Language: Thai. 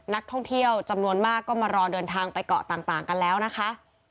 นักท่องเที่ยวจำนวนมากก็มารอเดินทางไปเกาะต่างกันแล้วนะคะ